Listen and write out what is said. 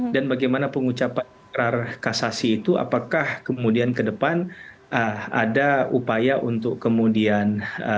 dan bagaimana pengucapan karar kasasi itu apakah kemudian ke depan ada upaya untuk kemudian